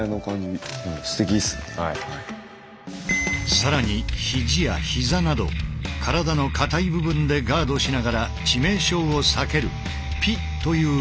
更に肘や膝など体の硬い部分でガードしながら致命傷を避ける「ピ」という防御。